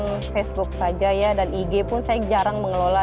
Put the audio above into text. saya menggunakan facebook saja dan ig pun saya jarang mengelola